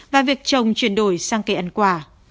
và việc trồng chuyển đổi sang cây ăn quả